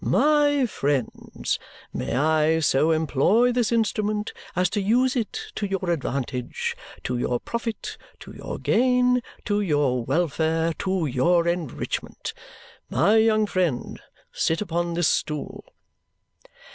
My friends, may I so employ this instrument as to use it to your advantage, to your profit, to your gain, to your welfare, to your enrichment! My young friend, sit upon this stool."